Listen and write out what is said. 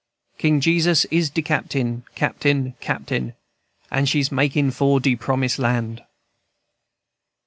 King Jesus is de captain, captain, captain, And she's makin' for de Promise Land."